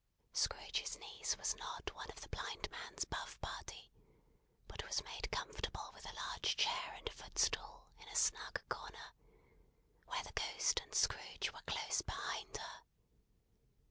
Scrooge's niece was not one of the blind man's buff party, but was made comfortable with a large chair and a footstool, in a snug corner, where the Ghost and Scrooge were close behind her.